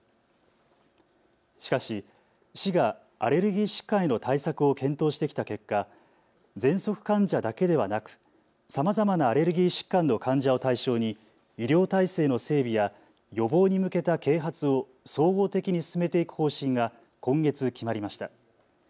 しかし市がアレルギー疾患への対策を検討してきた結果、ぜんそく患者だけではなくさまざまなアレルギー疾患の患者を対象に医療体制の整備や予防に向けた啓発を総合的に進めていく方針が今月、決まりました。